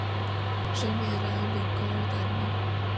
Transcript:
Général de corps d'armée.